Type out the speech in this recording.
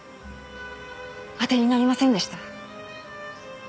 当てになりませんでした。